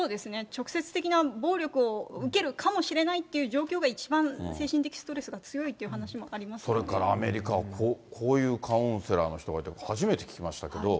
直接的な暴力を受けるかもしれないという状況が一番精神的ストレそれからアメリカは、こういうカウンセラーの人がいて、初めて聞きましたけれども。